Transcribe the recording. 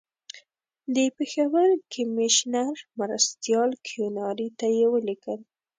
د پېښور کمیشنر مرستیال کیوناري ته یې ولیکل.